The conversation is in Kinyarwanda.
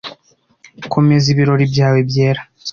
komeza ibirori byawe byera